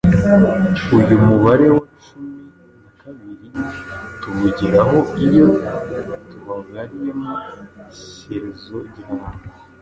Uyu mubare wa cumi nakabirir tuwugeraho iyo tubabariyemo Shyerezo Gihanga.